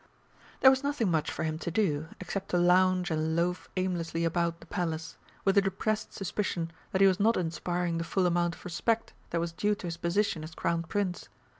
There was nothing much for him to do, except to lounge and loaf aimlessly about the Palace, with a depressed suspicion that he was not inspiring the full amount of respect that was due to his position as Crown Prince.